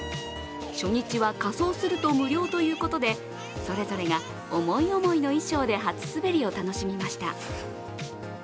初日は仮装すると無料ということでそれぞれが思い思いの衣装で初滑りを楽しみました。